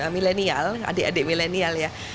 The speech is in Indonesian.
milenial adik adik milenial ya